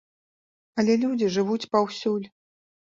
Але людзі жывуць паўсюль.